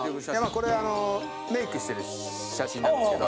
これメイクしてる写真なんですけど。